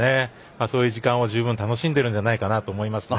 そういう時間を十分楽しんでるんじゃないかなと思いますね。